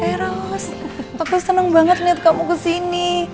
hei ros aku seneng banget liat kamu kesini